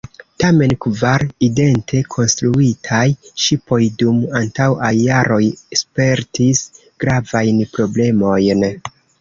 Tamen, kvar idente konstruitaj ŝipoj dum antaŭaj jaroj spertis gravajn problemojn.